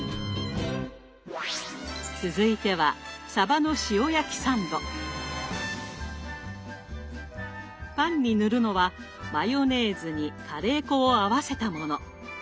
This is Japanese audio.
続いてはパンに塗るのはマヨネーズにカレー粉を合わせたもの。